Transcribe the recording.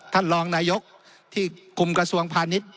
ท่านรองนายกที่คุมกระทรวงพาณิชย์